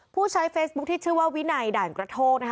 ผู้ใช้เฟซบุ๊คที่ชื่อว่าวินัยด่านกระโทกนะคะ